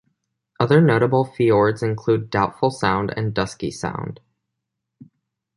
Other notable fiords include Doubtful Sound and Dusky Sound.